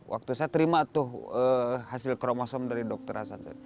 waktu saya terima tuh hasil kromosom dari dokter hasan